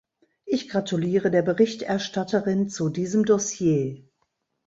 Ich gratuliere der Berichterstatterin zu diesem Dossier.